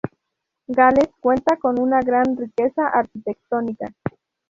Gales cuenta con una gran riqueza arquitectónica.